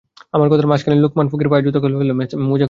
আমার কথার মাঝখানেই লোকমান ফকির পায়ের জুতো খুলে ফেলল, মোজা খুলল।